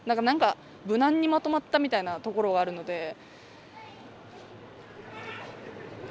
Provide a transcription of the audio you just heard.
何か無難にまとまったみたいなところはあるので。